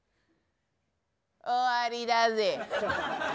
終わりだぜ。